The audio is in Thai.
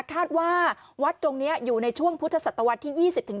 คาดว่าวัดตรงนี้อยู่ในช่วงพุทธศัตริย์ตะวัดที่๒๐๒๑